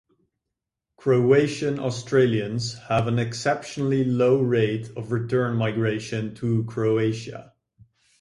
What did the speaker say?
Croatian Australians have an exceptionally low rate of return migration to Croatia.